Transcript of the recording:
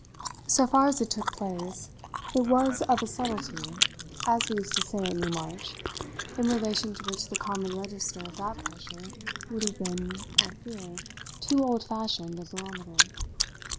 So far as it took place it was of a "subtlety," as we used to say at Newmarch, in relation to which the common register of that pressure would have been, I fear, too old fashioned a barometer.